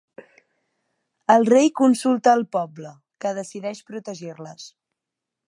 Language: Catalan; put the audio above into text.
El rei consulta el poble, que decideix protegir-les.